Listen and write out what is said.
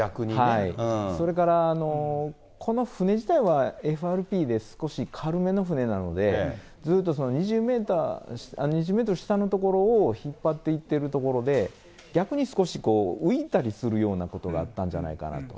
それから、この船自体はＦＲＰで、少し軽めの船なので、ずっと２０メートル下の所を引っ張っていっているところで、逆に少し浮いたりするようなことがあったんじゃないかなと。